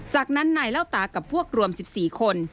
จากนั้นนายเล่าตากับพวกรวม๑๔คน